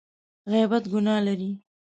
غیبت ګناه لري !